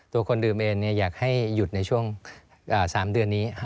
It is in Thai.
คนดื่มเองอยากให้หยุดในช่วง๓เดือนนี้